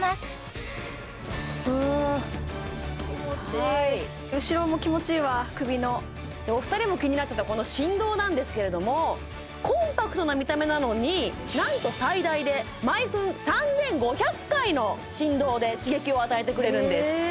気持ちいい後ろも気持ちいいわ首のお二人も気になってたこの振動なんですけれどもコンパクトな見た目なのになんとで刺激を与えてくれるんです